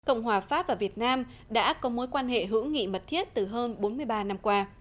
cộng hòa pháp và việt nam đã có mối quan hệ hữu nghị mật thiết từ hơn bốn mươi ba năm qua